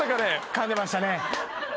かんでましたね。